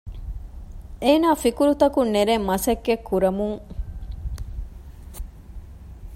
އޭނާ ފިކުރުތަކުން ނެރެން މަސައްކަތްކުރަމުން